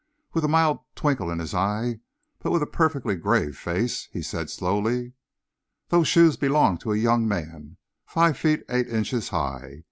With a mild twinkle in his eye, but with a perfectly grave face, he said slowly, "Those shoes belong to a young man, five feet eight inches high.